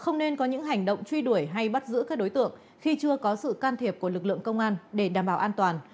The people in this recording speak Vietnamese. không nên có những hành động truy đuổi hay bắt giữ các đối tượng khi chưa có sự can thiệp của lực lượng công an để đảm bảo an toàn